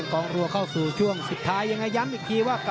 ๑๓๐ปอนด์นะ